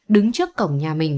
đứng trước cổng nhà mình